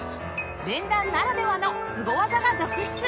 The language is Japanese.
連弾ならではのすご技が続出！